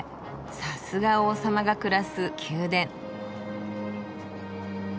さすが王様が暮らす宮殿。